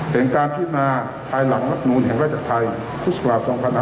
เก็บในการที่มาภายหลังรับหนุนภิกษา๒๕๖๐